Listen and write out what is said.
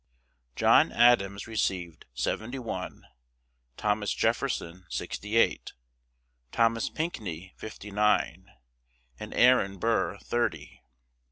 John Adams received seventy one, Thomas Jefferson sixty eight, Thomas Pinckney fifty nine, and Aaron Burr thirty.